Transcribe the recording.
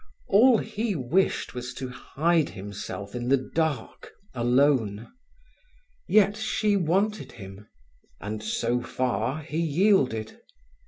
All he wished was to hide himself in the dark, alone. Yet she wanted him, and so far he yielded.